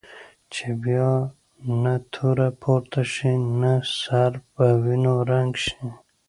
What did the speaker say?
چې بیا نه توره پورته شي نه سر په وینو رنګ شي.